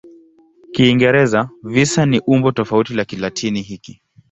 Kiingereza "visa" ni umbo tofauti la Kilatini hiki.